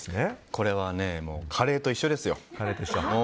これはカレーと一緒ですよ。